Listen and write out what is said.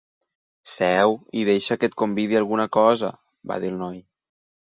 "Seu i deixa que et convidi a alguna cosa", va dir el noi.